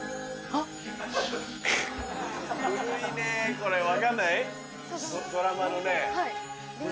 これ分かんない？